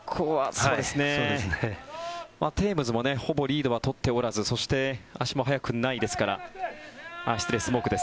スモークもほぼリードは取っておらずそして、足も速くないですから。